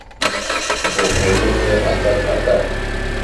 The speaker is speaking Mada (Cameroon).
Boho henne aslasl aslasl.